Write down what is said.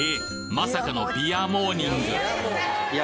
まさかのビアモーニング